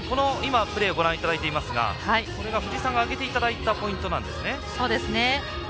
今、プレーをご覧いただいていますがこれが藤井さんが挙げていただいたポイントなんですね。